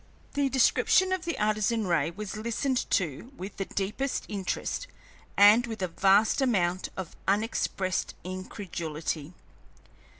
The description of the Artesian ray was listened to with the deepest interest and with a vast amount of unexpressed incredulity.